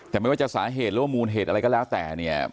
แต่ไม่ว่าจะสาเหตุหรือว่ามูลเหตุอะไรก็แล้วแต่เนี่ย